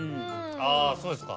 あそうですか。